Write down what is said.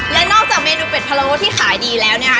และนอกจากเมนูเป็ดพะโล้ที่ขายดีแล้วเนี่ยค่ะ